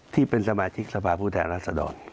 ที่เป็นสมาชิกสภาพภูมิแทนรัฐสะดอน